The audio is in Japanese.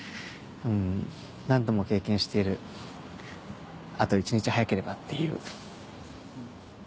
何度も経験している「あと一日早ければ」っていう。